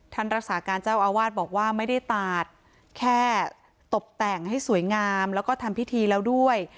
รักษาการเจ้าอาวาสบอกว่าไม่ได้ตัดแค่ตบแต่งให้สวยงามแล้วก็ทำพิธีแล้วด้วย